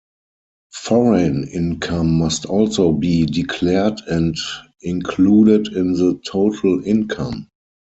Foreign income must also be declared and included in the total income.